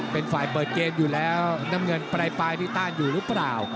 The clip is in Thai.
เป็นฝ่ายเปิดเกมอยู่แล้วน้ำเงินปลายนี่ต้านอยู่หรือเปล่า